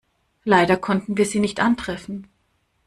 Leider konnten wir Sie nicht antreffen.